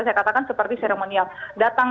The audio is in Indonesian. saya katakan seperti seremonial datang